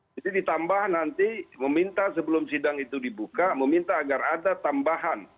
jadi ditambah nanti meminta sebelum sidang itu dibuka meminta agar ada tambahan